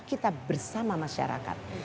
kita bersama masyarakat